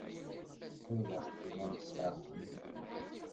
Ɣileɣ tellam tkeṛhem-iyi.